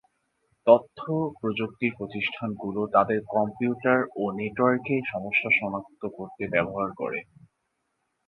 তথ্য প্রযুক্তি প্রতিষ্ঠানগুলো তাদের কম্পিউটার ও নেটওয়ার্কে সমস্যা শনাক্ত করতে ব্যবহার করে।